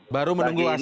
baru menunggu hasilnya